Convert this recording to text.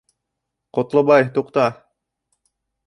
Ҡотлобай, туҡта!